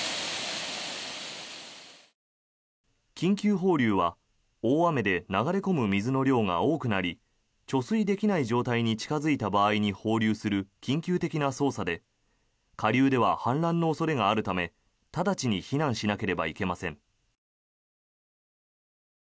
緊急放流は大雨で流れ込む水の量が多くなり貯水できない状態に近付いた場合に放流する緊急的な操作で下流では氾濫の恐れがあるため直ちに避難しなければいけません。